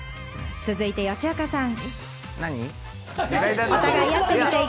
続いて吉岡さん。